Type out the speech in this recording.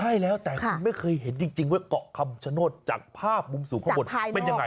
ใช่แล้วแต่คุณไม่เคยเห็นจริงว่าเกาะคำชโนธจากภาพมุมสูงข้างบนเป็นยังไง